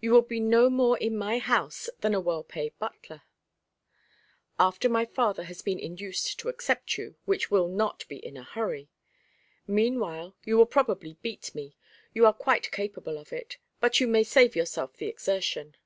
You will be no more in my house than a well paid butler after my father has been induced to accept you, which will not be in a hurry. Meanwhile, you will probably beat me: you are quite capable of it; but you may save yourself the exertion."